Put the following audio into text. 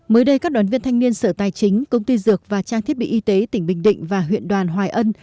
mới đây các đoàn viên thanh niên sở tài chính công ty dược và trang thiết bị y tế tỉnh bình định và huyện đoàn hoài ân